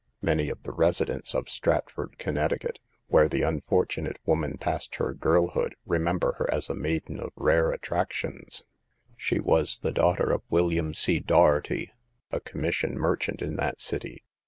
Many of the residents of Stratford, Connecticut, where the unfortunate woman passed her girl hood, remember her as a maiden of rare attrac tions. She was the daughter of William C. Dougherty, a commission merchant in that city.